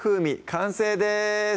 完成です